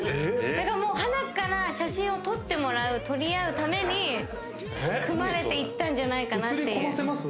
だからもうはなっから写真を撮ってもらう撮り合うために組まれて行ったんじゃないかなと・写り込ませます？